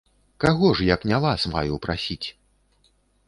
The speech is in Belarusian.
Каго ж, як не вас, маю прасіць?